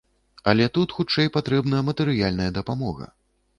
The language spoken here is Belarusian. Але тут хутчэй патрэбна матэрыяльная дапамога.